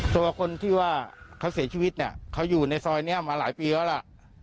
ตัวคนที่ว่าเขาเสียชีวิตเนี่ยเขาอยู่ในซอยนี้มาหลายปีแล้วล่ะ